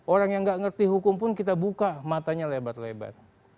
orang yang nggak ngerti hukum pun kita buka matanya lebat lebat